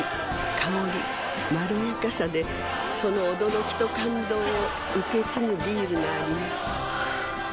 香りまろやかさでその驚きと感動を受け継ぐビールがあります